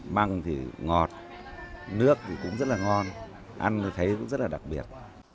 măng thì ngọt nước thì cũng rất là ngon ăn thấy cũng rất là đặc biệt